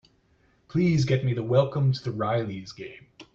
Please get me the Welcome to the Rileys game.